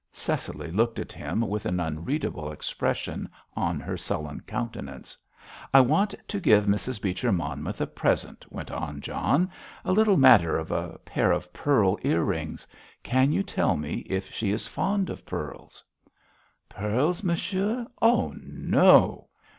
Cecily looked at him with an unreadable expression on her sullen countenance. "I want to give Mrs. Beecher Monmouth a present," went on John. "A little matter of a pair of pearl ear rings. Can you tell me if she is fond of pearls?" "Pearls, monsieur; oh, no!"